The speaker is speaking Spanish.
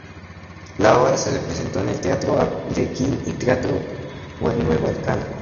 La obra se representó en el Teatro Arlequín y Teatro Nuevo Alcalá.